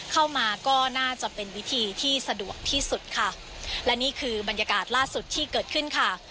เข้ามาก็น่าจะเป็นวิธีที่สะดวกที่สุดค่ะและนี่คือบรรยากาศล่าสุดที่เกิดขึ้นค่ะ